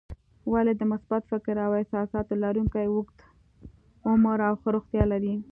ولې د مثبت فکر او احساساتو لرونکي اوږد عمر او ښه روغتیا لري؟